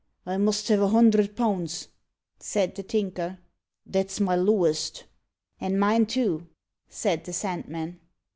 "I must have a hundred pounds," said the Tinker "that's my lowest." "And mine, too," said the Sandman.